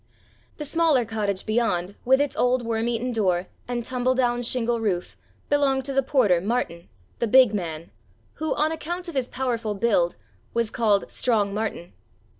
The smaller cottage beyond with its old worm eaten door and tumble down shingle roof belonged to the porter, Martin, the big man, who, on account of his powerful build, was called "strong Martin."